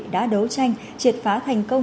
đã đấu tranh triệt phá thành công